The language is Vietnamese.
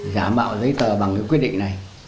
giả mạo giấy tờ bằng cái quyết định này